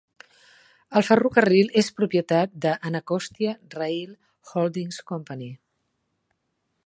El ferrocarril és propietat d'Anacostia Rail Holdings Company.